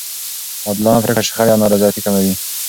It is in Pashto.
عادلانه پرېکړې شخړې او نارضایتي کموي.